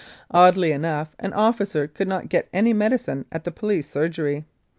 Oddly enough, an officer could not get any medicine at the police surgery.